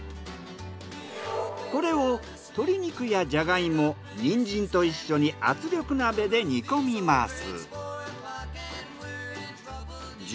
これを鶏肉やジャガイモニンジンと一緒に圧力鍋で煮込みます。